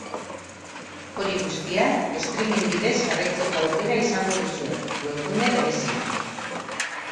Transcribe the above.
Hori guztia streming bidez jarraitzeko aukera izango duzue, webgune berezian.